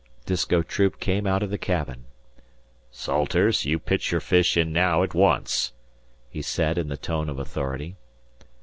Disko Troop came out of the cabin. "Salters, you pitch your fish in naow at once," he said in the tone of authority.